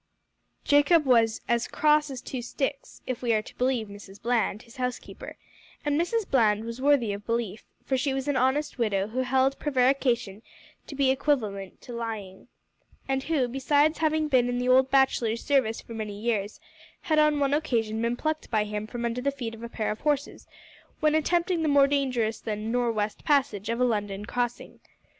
Jacob was "as cross as two sticks," if we are to believe Mrs Bland, his housekeeper and Mrs Bland was worthy of belief, for she was an honest widow who held prevarication to be equivalent to lying, and who, besides having been in the old bachelor's service for many years, had on one occasion been plucked by him from under the feet of a pair of horses when attempting the more dangerous than nor' west passage of a London crossing.